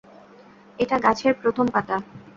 এটা গাছের প্রথম পাতা।